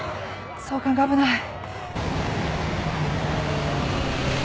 総監が危ない。